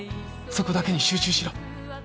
そこだけに集中しろ。